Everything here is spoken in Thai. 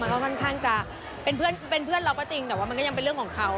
ก็ค่อนข้างจะเป็นเพื่อนเป็นเพื่อนเราก็จริงแต่ว่ามันก็ยังเป็นเรื่องของเขา